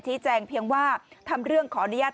แจ้งเพียงว่าทำเรื่องขออนุญาต